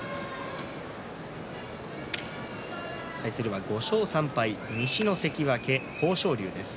対するは５勝３敗西の関脇、豊昇龍です。